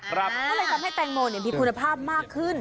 ก็เลยทำให้แตงโมมีคุณภาพมากขึ้น